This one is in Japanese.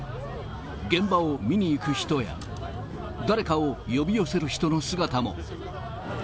現場を見に行く人や、誰かを呼び寄せる人の姿も。